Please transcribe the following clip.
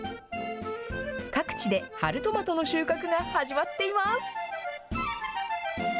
各地で春トマトの収穫が始まっています。